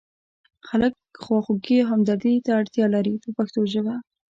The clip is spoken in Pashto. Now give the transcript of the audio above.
خلک خواخوږۍ او همدردۍ ته اړتیا لري په پښتو ژبه.